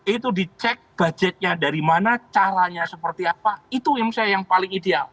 itu dicek budgetnya dari mana caranya seperti apa itu yang saya yang paling ideal